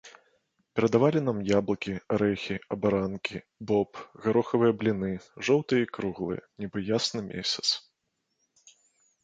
Прадавалі нам яблыкі, арэхі, абаранкі, боб, гарохавыя бліны, жоўтыя і круглыя, нібы ясны месяц.